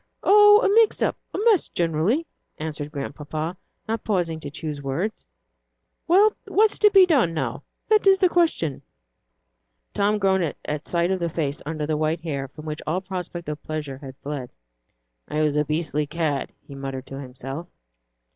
"Oh, a mix up; a mess generally," answered Grandpapa, not pausing to choose words. "Well, what's to be done, now, that is the question?" Tom groaned at sight of the face under the white hair, from which all prospect of pleasure had fled. "I was a beastly cad," he muttered to himself.